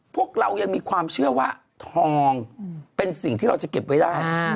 พวกเรายังมีความเชื่อว่าทองเป็นสิ่งที่เราจะเก็บไว้ได้